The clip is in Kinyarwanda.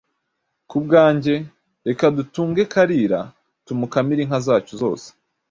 Ku bwanjye, reka dutunge Kalira tumukamire inka zacu zose,